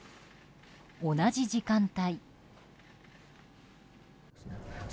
同じ時間帯。